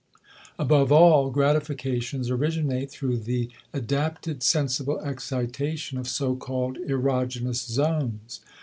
Above all gratifications originate through the adapted sensible excitation of so called erogenous zones.